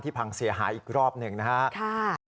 ที่ภังเสียหายอีกรอบหนึ่งนะครับค่ะค่ะ